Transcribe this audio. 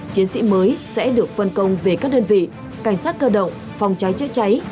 chiến sĩ mới sẽ được phân công về các đơn vị cảnh sát cơ động phòng cháy chữa cháy